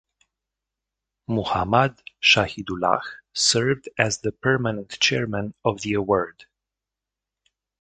Muhammad Shahidullah served as the permanent chairman of the award.